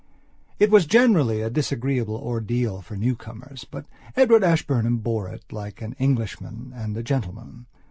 It was generally a disagreeable ordeal for newcomers but Edward Ashburnham bore it like an Englishman and a gentleman.